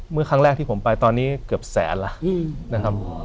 ครั้งแรกที่ผมไปตอนนี้เกือบแสนแล้วนะครับ